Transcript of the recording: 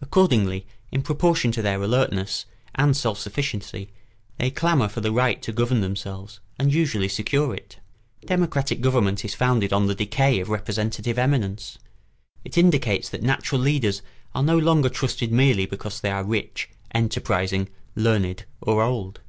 Accordingly, in proportion to their alertness and self sufficiency, they clamour for the right to govern themselves, and usually secure it. Democratic government is founded on the decay of representative eminence. It indicates that natural leaders are no longer trusted merely because they are rich, enterprising, learned, or old.